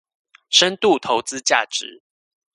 深度投資價值